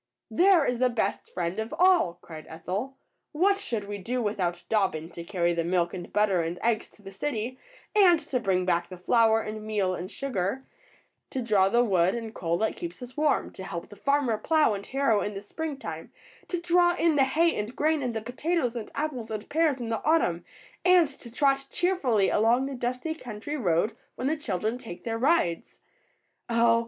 "There is the best friend of all!" cried Ethel. "What should we do without Dobbin to carry the milk and butter and eggs to the city, and to bring back the flour and meal and sugar, to 124 ETHEL'S FRIENDS. draw the wood and coal that keep us warm, to help the farmer plow and harrow in the springtime, to draw in the hay and grain and the potatoes and apples and pears in the autumn, and to trot cheerfully along the dusty country road when the children take their rides? Oh!